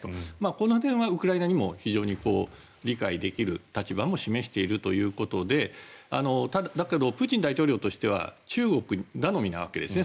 この点はウクライナにも理解できる立場も示しているということでプーチン大統領としては中国頼みなわけですね。